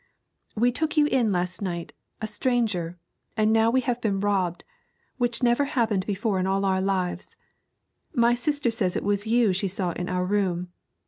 'We took you in last night, a stranger; and now we have been robbed, which never happened before in all our lives. My sister says it was you she saw in our room.